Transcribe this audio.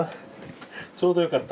ちょうどよかった。